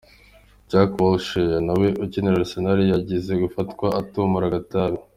Jack Wilshere nawe ukinira Arsenal yigeze gufatwa atumura agatabi.